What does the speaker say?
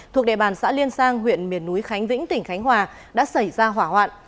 thuộc địa bàn xã liên sang huyện miền núi khánh vĩnh tỉnh khánh hòa đã xảy ra hỏa hoạn